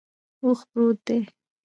اوښ پروت دے